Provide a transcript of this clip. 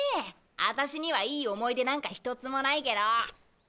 アタシにはいい思い出なんか１つもないけど。